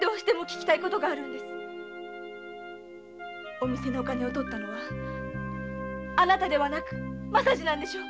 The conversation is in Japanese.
お店のお金を盗ったのはあなたではなく政次でしょう？